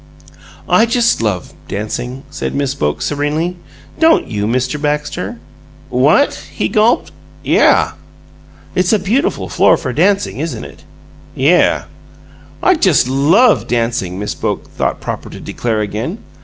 "I just love dancing," said Miss Boke, serenely. "Don't you, Mr. Baxter?" "What?" he gulped. "Yeh." "It's a beautiful floor for dancing, isn't it?" "Yeh." "I just love dancing," Miss Boke thought proper to declare again.